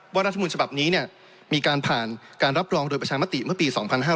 รัฐมนต์ฉบับนี้มีการผ่านการรับรองโดยประชามติเมื่อปี๒๕๕๙